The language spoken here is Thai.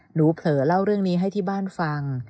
เผลอเล่าเรื่องนี้ให้ที่บ้านฟัง